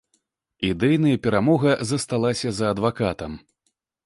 Ідэйная перамога засталася за адвакатам.